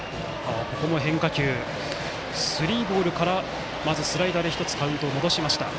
スリーボールからスライダーでカウントを戻した。